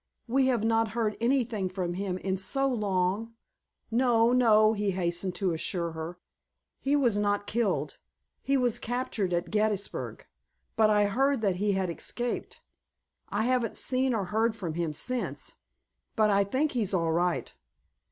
"We have not heard anything from him in so long——" "No, no," he hastened to assure her. "He was not killed. He was captured at Gettysburg, but I heard that he had escaped. I haven't seen or heard from him since, but I think he's all right.